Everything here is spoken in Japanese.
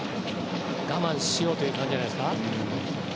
我慢しようという感じじゃないですか。